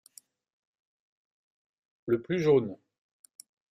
Le plus jaune.